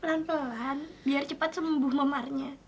pelan pelan biar cepat sembuh memarnya